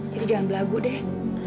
jadi jangan berlagu deh